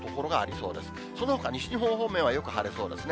そのほか、西日本方面はよく晴れそうですね。